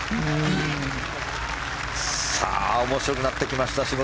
さあ、面白くなってきました。